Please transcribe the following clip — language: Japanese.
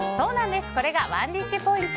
これがＯｎｅＤｉｓｈポイント。